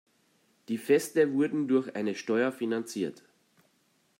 Die Feste wurden durch eine Steuer finanziert.